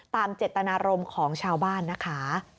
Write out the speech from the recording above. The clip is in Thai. ตามเจตนารมณ์ของชาวบ้านนะคะ